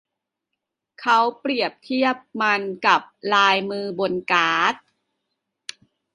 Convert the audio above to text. เขาเปรียบเทียบมันกับลายมือบนการ์ด